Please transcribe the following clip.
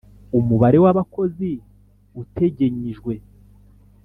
umubare w’abakozi utegenyijwe;